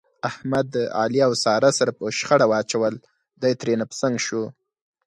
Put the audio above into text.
احمد، علي او ساره سره په شخړه واچول، دی ترېنه په څنګ شو.